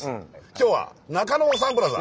今日は中野サンプラザ。